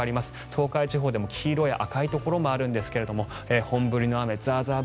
東海地方でも黄色、赤いところがあるんですが本降りの雨ザーザー